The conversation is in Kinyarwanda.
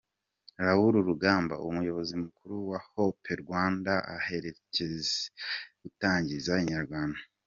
Raoul Rugamba umuyobozi mukuru wa Hobe Rwanda aherutse gutangariza inyarwanda.